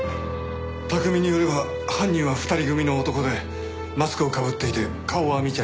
拓海によれば犯人は２人組の男でマスクをかぶっていて顔は見ちゃいない。